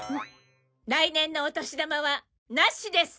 来年のお年玉はなしです。